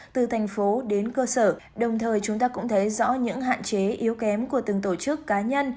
từ thành phố đến cơ sở đồng thời chúng ta cũng thấy rõ những hạn chế yếu kém của từng tổ chức cá nhân